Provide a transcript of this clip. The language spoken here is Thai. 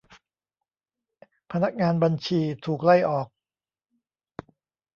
พนักงานบัญชี ถูกไล่ออก